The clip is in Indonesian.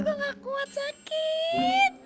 nggak kuat sakit